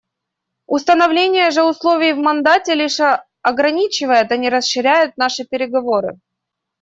Установление же условий в мандате лишь ограничивает, а не расширяет наши переговоры.